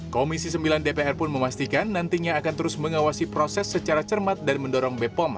komisi sembilan dpr pun memastikan nantinya akan terus mengawasi proses secara cermat dan mendorong bepom